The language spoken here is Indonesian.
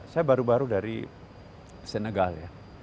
saya baru baru dari senegal ya